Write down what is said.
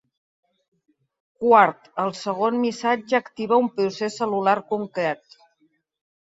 Quart, el segon missatger activa un procés cel·lular concret.